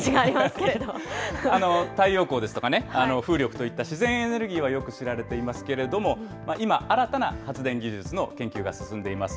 けれ太陽光ですとかね、風力といった自然エネルギーはよく知られていますけれども、今、新たな発電技術の研究が進んでいます。